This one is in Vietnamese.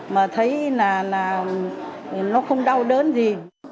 mà thấy là nó không đau đớn gì